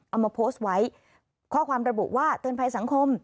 เอามาโพสต์ไว้ข้อความระบุว่าเตือนภัยสังคม